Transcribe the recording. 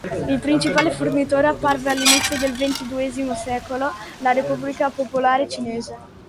Il principale fornitore appare dall'inizio del ventunesimo secolo la Repubblica popolare cinese.